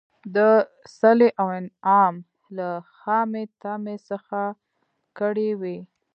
د صلې او انعام له خامي طمعي څخه کړي وي.